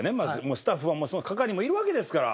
スタッフはその係もいるわけですから。